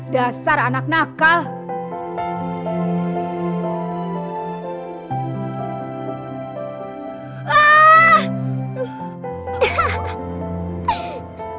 dasar anak nakal